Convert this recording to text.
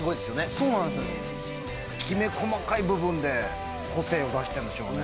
そうなんすきめ細かい部分で個性を出してんでしょうね